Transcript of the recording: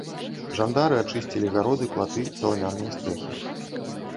Жандары ачысцілі гароды, платы, саламяныя стрэхі.